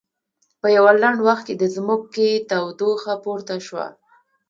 په یوه لنډ وخت کې د ځمکې تودوخه پورته شوه.